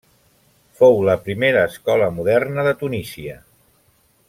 Fou la primera escola moderna de Tunísia.